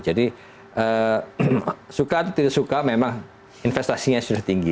jadi suka atau tidak suka memang investasinya sudah tinggi